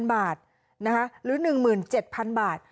๐บาทหรือ๑๗๐๐บาท